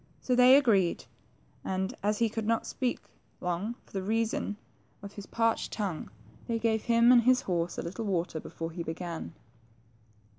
So they agreed, and as he could not speak long for reason of 72 THE TWO PRINCES. his parched tongue, they gave him and his horse a little water before he began.